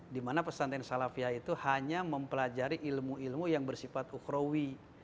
dimana pesantren salafiyah itu hanya mempelajari ilmu ilmu yang bersifat ukrawi